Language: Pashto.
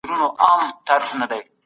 په څېړنه کې د حوالې ورکول اخلاقي دنده ده.